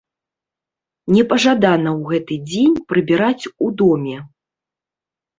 Непажадана ў гэты дзень прыбіраць у доме.